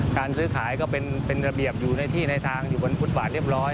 การซื้อขายก็เป็นระเบียบอยู่ในที่ในทางอยู่บนฟุตบาทเรียบร้อย